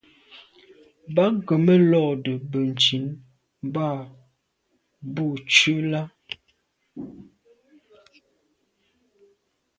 Bə̌k gə̀ mə́ lódə́ bə̀ncìn mbā bū cʉ lá.